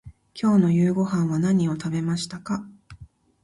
今日の夕ごはんは何を食べましたか。